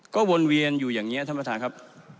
ก็วนเวียนอยู่อย่างนี้ท่านประธานครับ